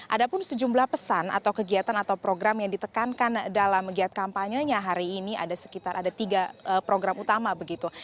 ada pun sejumlah pesan atau kegiatan atau program yang ditekankan dalam kegiatan kampanyenya hari ini ada sekitar ada tiga program utama begitu